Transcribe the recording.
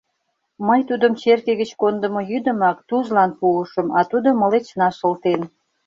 Мый тудым черке гыч кондымо йӱдымак Тузлан пуышым, а тудо мылечна шылтен.